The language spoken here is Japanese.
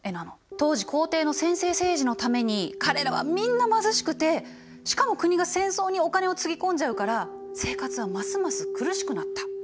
当時皇帝の専制政治のために彼らはみんな貧しくてしかも国が戦争にお金をつぎ込んじゃうから生活はますます苦しくなった。